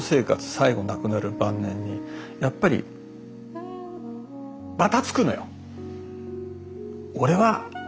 最後亡くなる晩年にやっぱりばたつくのよ。